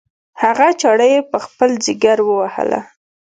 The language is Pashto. هغه چاړه یې په خپل ځګر ووهله.